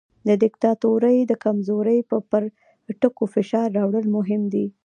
د دیکتاتورۍ د کمزورۍ پر ټکو فشار راوړل مهم دي.